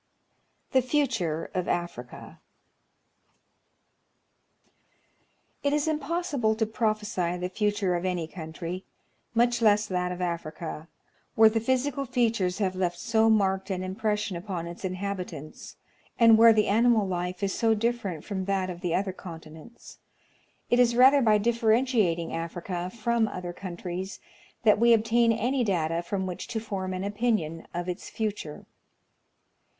The Future of Africa. It is impossible to prophesy the future of any country, much less that of Africa, where the phj'sical features have left so marked an impression upon its inhabitants, and where the animal life is so different from that of the other continents. It is rather by differentiating Africa from other countries that we obtain any data from which to form an opinion of its future.